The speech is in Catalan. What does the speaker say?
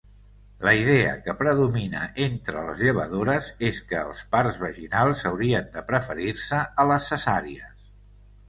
La idea que predomina entre les llevadores és que els parts vaginals haurien de preferir-se a les cesàries.